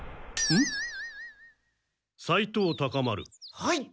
はい！